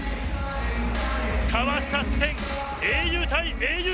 交わした視線、英雄対英雄。